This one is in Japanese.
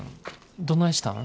どないしたん？